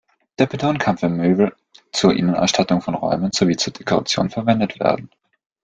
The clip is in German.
Der Beton kann für Möbel, zur Innenausstattung von Räumen sowie zur Dekoration verwendet werden.